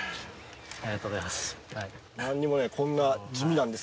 ありがとうございます。